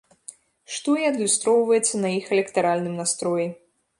Што і адлюстроўваецца на іх электаральным настроі.